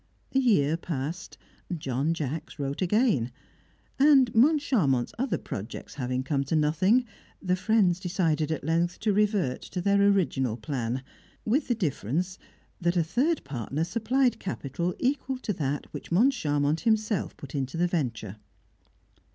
A year passed; John Jacks again wrote; and, Moncharmont's other projects having come to nothing, the friends decided at length to revert to their original plan, with the difference that a third partner supplied capital equal to that which Moncharmont himself put into the venture.